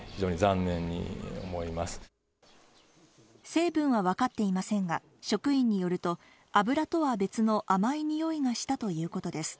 成分はわかっていませんが職員によると、油とは別の甘いにおいがしたということです。